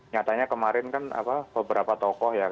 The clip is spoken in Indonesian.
nyatanya kemarin kan beberapa tokoh ya